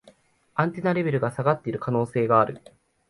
アンテナレベルが下がってる可能性がある